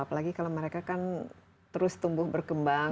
apalagi kalau mereka kan terus tumbuh berkembang